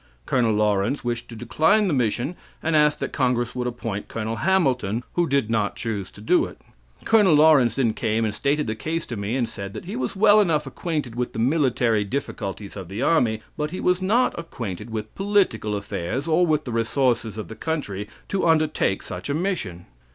Col. Laurens wished to decline the mission, and asked that congress would appoint Col. Hamilton, who did not choose to do it. Col. Laurens then came and stated the case to me, and said that he was well enough acquainted with the military difficulties of the army, but he was not acquainted with political affairs, or with the resources of the country, to undertake such a mission.